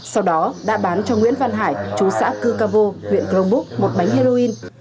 sau đó đã bán cho nguyễn văn hải chú xã cư ca vô huyện crong búc một bánh heroin